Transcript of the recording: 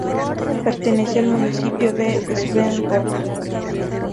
Pertenece al municipio de Svendborg.